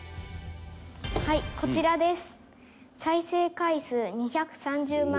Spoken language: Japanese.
はいこちらです。